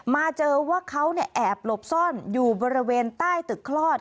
มาเจอว่าเขาแอบหลบซ่อนอยู่บริเวณใต้ตึกคลอด